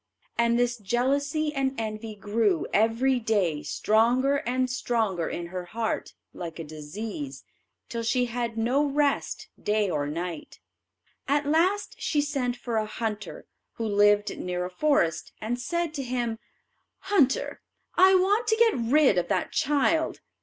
And this jealousy and envy grew every day stronger and stronger in her heart, like a disease, till she had no rest day or night. At last she sent for a hunter, who lived near a forest, and said to him, "Hunter, I want to get rid of that child.